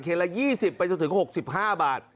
เขียนละ๒๐ไปจนถึง๖๕บาท